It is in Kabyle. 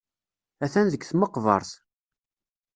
Atan deg tmeqbert.